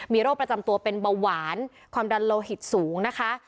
มีโรคประจำตัวเป็นเบาหวานความดันโลหิตสูงนะคะ